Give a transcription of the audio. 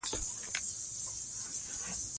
شاه محمود د اصفهان د فتح لپاره هره ورځ اقدامات وکړل.